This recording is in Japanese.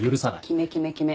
キメキメキメ